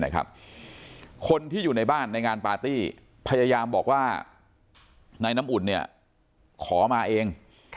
คนที่อยู่ในบ้านในงานปาร์ตี้พยายามบอกว่านายน้ำอุ่นขอมาเอง